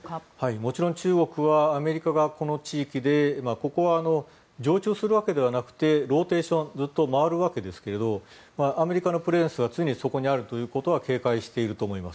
もちろん中国はアメリカがこの地域でここは常駐するわけではなくてローテーションずっと回るわけですがアメリカのプレゼンスは常にそこにあるということは警戒していると思います。